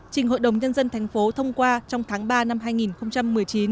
trình hội đồng nhân dân thành phố thông qua trong tháng ba năm hai nghìn một mươi chín